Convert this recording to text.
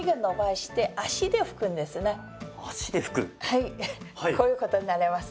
はいこういうことになります。